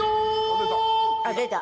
出た。